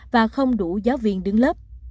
và không đủ giáo viên đứng lớp